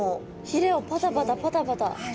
ひれをパタパタパタパタ。